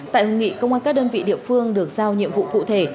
tại hội nghị công an các đơn vị địa phương được giao nhiệm vụ cụ thể